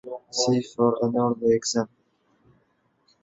See for an early example.